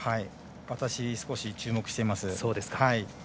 私、少し注目しています。